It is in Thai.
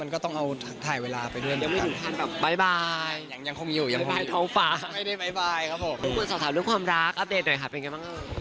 ทุกคนสอบถามเรื่องความรักอัพเดทเหมือนไหมคะเป็นยังไงบ้าง